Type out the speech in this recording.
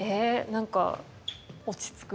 確かに落ち着く。